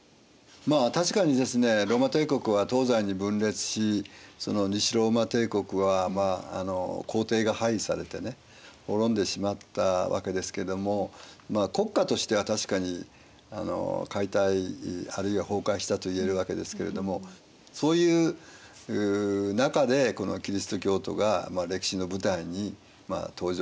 まあ確かにですねローマ帝国は東西に分裂しその西ローマ帝国は皇帝が廃位されてね滅んでしまったわけですけども国家としては確かに解体あるいは崩壊したと言えるわけですけれどもそういう中でキリスト教徒が歴史の舞台に登場してきた。